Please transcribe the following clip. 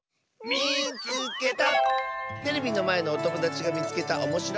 「みいつけた！」。